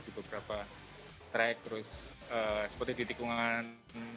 di beberapa trek terus seperti di tikungan